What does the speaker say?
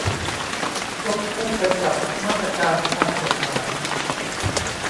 ควบคู่ไปกับมาตรการทางกฎหมาย